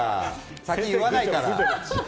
先に言わないから。